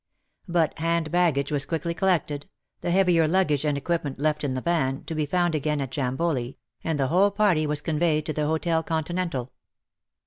But hand baggage was quickly collected, the heavier luggage and equipment left in the van, to be found again at Jamboli, and the whole party were conveyed to the Hotel Continental.